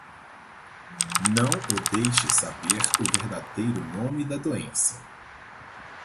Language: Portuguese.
Não o deixes saber o verdadeiro nome da doença.